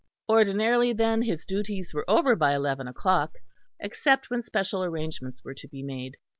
Ordinarily then his duties were over by eleven o'clock, except when special arrangements were to be made.